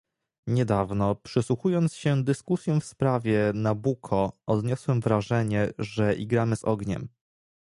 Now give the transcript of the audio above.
Niedawno, przysłuchując się dyskusjom w sprawie Nabucco, odniosłem wrażenie, że igramy z ogniem